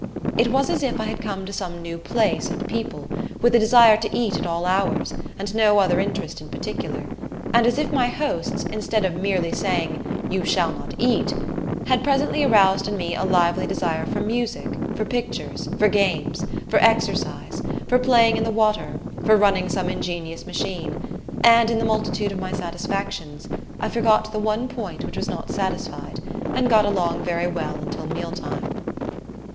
It was as if I had come to some new place and people, with a desire to eat at all hours, and no other interests in particular; and as if my hosts, instead of merely saying, "You shall not eat," had presently aroused in me a lively desire for music, for pictures, for games, for exercise, for playing in the water, for running some ingenious machine; and, in the multitude of my satisfactions, I forgot the one point which was not satisfied, and got along very well until mealtime.